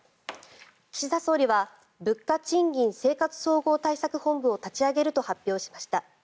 岸田総理は物価・賃金・生活総合対策本部を立ち上げると発表しました。